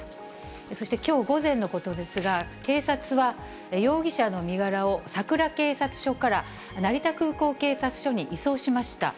そして、きょう午前のことですが、警察は容疑者の身柄を佐倉警察署から成田空港警察署に移送しました。